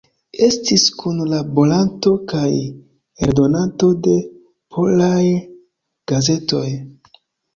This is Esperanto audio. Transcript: Estis kunlaboranto kaj eldonanto de polaj gazetoj.